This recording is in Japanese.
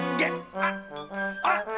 あっあげっ。